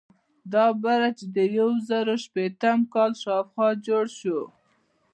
دا برج د یو زرو شپیتم کال شاوخوا جوړ شو.